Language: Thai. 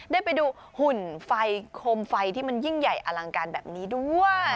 ได้ไปดูหุ่นไฟโคมไฟที่มันยิ่งใหญ่อลังการแบบนี้ด้วย